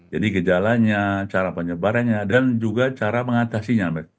jadi gejalanya cara penyebarannya dan juga cara mengatasinya